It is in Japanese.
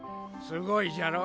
すごいじゃろ。